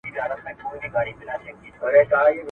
زه سفر نه کوم!